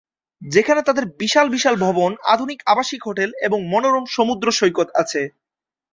যেখানে তাদের বিশাল বিশাল ভবন, আধুনিক আবাসিক হোটেল এবং মনোরম সমুদ্র সৈকত আছে।